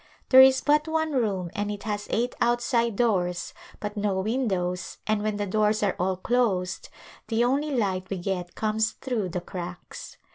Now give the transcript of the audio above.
There is but one room and it has eight outside doors but no windows and when the doors are all closed the only light we get comes through the cracks.